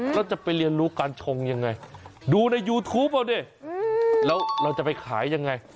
แล้วจะไปเรียนรู้การชงยังไงดูในยูทูปเอาดิแล้วเราจะไปขายยังไง